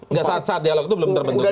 nggak saat saat dialog itu belum terbentuk